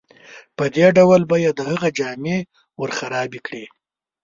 په دې ډول به یې د هغه جامې ورخرابې کړې.